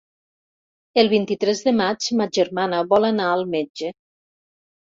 El vint-i-tres de maig ma germana vol anar al metge.